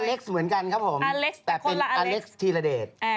เล็กเหมือนกันครับผมแต่เป็นอเล็กซ์ธีรเดช